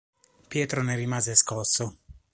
Pietro ne rimase scosso.